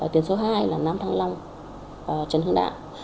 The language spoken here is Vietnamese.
tuyến số hai là nam thăng long trần hương đạ